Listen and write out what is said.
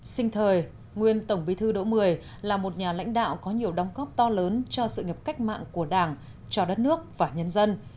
sinh thời nguyên tổng bí thư đỗ mười là một nhà lãnh đạo có nhiều đóng góp to lớn cho sự nghiệp cách mạng của đảng cho đất nước và nhân dân